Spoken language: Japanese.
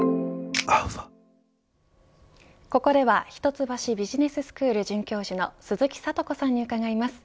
ここでは一橋大学ビジネススクール准教授の鈴木智子さんに伺います。